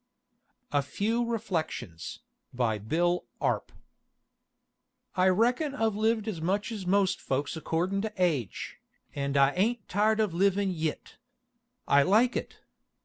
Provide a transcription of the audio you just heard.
A FEW REFLECTIONS BY BILL ARP I rekon I've lived as much as most foaks accordin' to age, and I ain't tired of livin' yit. I like it.